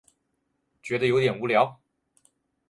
觉得有点无聊